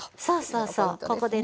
そうそうそうここでね。